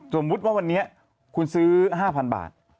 สมมุติว่าวันนี้คุณซื้อ๕๐๐๐บาท